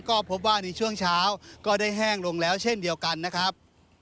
ก็พบว่าในช่วงเช้าก็ได้แห้งลงแล้วเช่นเดียวกันนะครับ